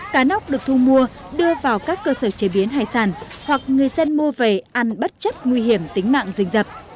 cá nóc được thu mua đưa vào các cơ sở chế biến hải sản hoặc người dân mua về ăn bất chấp nguy hiểm tính mạng rình dập